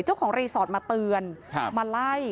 เจ้าของรีสอร์ทมาเตือนมาไล่